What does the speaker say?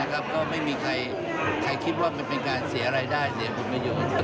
ก็ไม่มีใครคิดว่ามันเป็นการเสียรายได้เสียผลประโยชน์